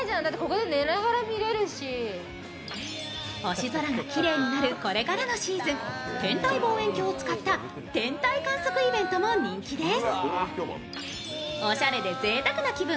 星空がきれいになるこれからのシーズン、天体望遠鏡を使った天体観測イベントも人気です。